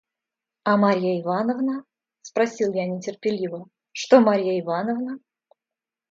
– А Марья Ивановна? – спросил я нетерпеливо, – что Марья Ивановна?